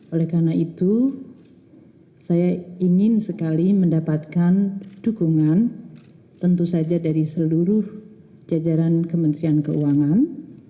oleh karena itu saya ingin sekali mendapatkan dukungan tentu saja dari seluruh jajaran kementerian keuangan